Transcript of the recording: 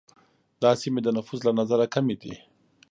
دا سیمې د نفوس له نظره کمي دي.